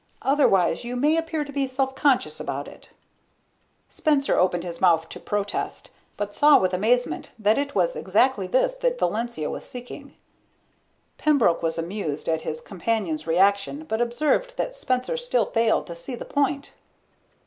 Otherwise, you may appear to be self conscious about it." Spencer opened his mouth to protest, but saw with amazement that it was exactly this that Valencia was seeking. Pembroke was amused at his companion's reaction but observed that Spencer still failed to see the point.